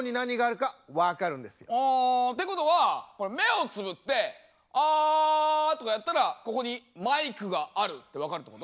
あってことは目をつぶって「あ！」とかやったらここにマイクがあるって分かるってこと？